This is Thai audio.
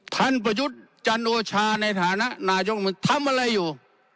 ท่านประยุทธ์จันโนชาในฐานะนายกรัฐมนตรีทำอะไรอยู่